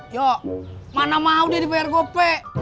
ya mana mau dia di prkp